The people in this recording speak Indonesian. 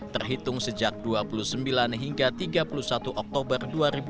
terhitung sejak dua puluh sembilan hingga tiga puluh satu oktober dua ribu dua puluh